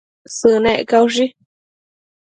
Sënec caushi